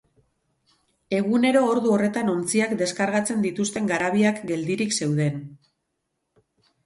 Egunero ordu horretan ontziak deskargatzen dituzten garabiak geldirik zeuden.